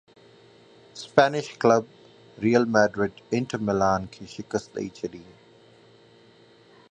Spanish club Real Madrid Inter Milan کي شڪست ڏئي ڇڏي